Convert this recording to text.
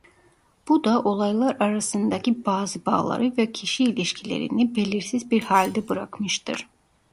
Bu da olaylar arasındaki bazı bağları ve kişi ilişkilerini belirsiz bir halde bırakmıştır.